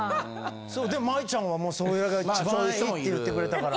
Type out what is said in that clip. でも眞衣ちゃんはそれが一番いいって言ってくれたから。